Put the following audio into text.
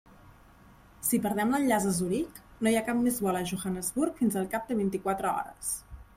Si perdem l'enllaç a Zuric, no hi ha cap més vol a Johannesburg fins al cap de vint-i-quatre hores.